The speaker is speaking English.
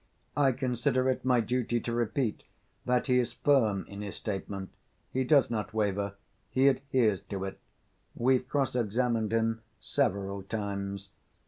"I consider it my duty to repeat that he is firm in his statement. He does not waver. He adheres to it. We've cross‐examined him several times."